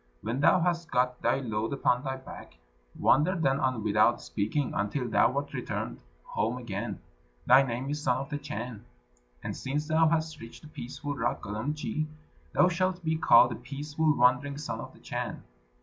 When thou hast got thy load upon thy back, wander then on without speaking, until thou art returned home again. Thy name is Son of the Chan; and since thou hast reached the peaceful rock Gulumtschi, thou shalt be called the peaceful wandering Son of the Chan."